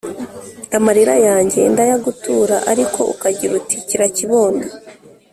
Amarira yanjye ndayaguturaAriko ukagira uti: "Kira kibondo! "